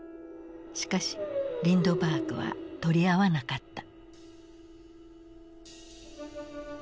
しかしリンドバーグは取り合わなかった。